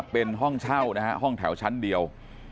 เป็นห้องเช่านะฮะห้องแถวชั้นเดียว